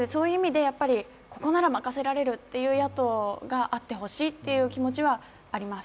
ここなら任せられるという野党があってほしいという気持ちはあります。